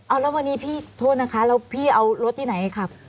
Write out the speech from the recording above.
เอาแล้ววันนี้พี่โทษนะคะแล้วพี่เอารถที่ไหนขับ